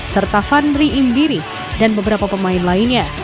serta fandri imbiri dan beberapa pemain lainnya